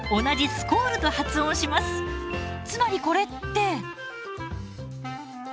つまりこれって。